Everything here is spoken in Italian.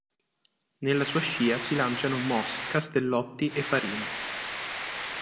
Nella sua scia si lanciano Moss, Castellotti e Farina.